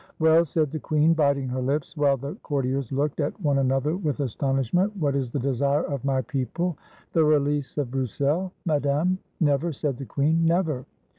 " Well," said the queen, biting her lips, while the court iers looked at one another with astonishment, "what is the desire of my people? " "The release of Broussel, Madame." "Never!" said the queen, "never!"